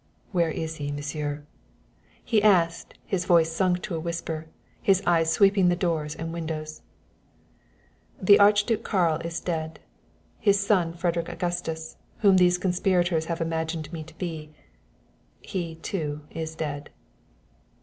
"Where is he, Monsieur?" he asked, his voice sunk to a whisper, his eyes sweeping the doors and windows. "The Archduke Karl is dead; his son Frederick Augustus, whom these conspirators have imagined me to be he, too, is dead."